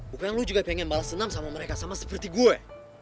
bukan lo juga pengen balas senam sama mereka sama seperti gue